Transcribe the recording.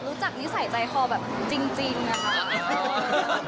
คือมันไม่ใช่ควร